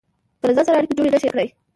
که له ځان سره اړيکه جوړه نشئ کړای.